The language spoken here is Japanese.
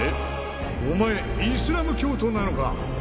お前、イスラム教徒なのか？